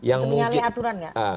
untuk menyalih aturan nggak